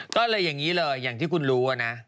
ก็เลยอย่างนี้เลยอย่างที่คุณรู้นะ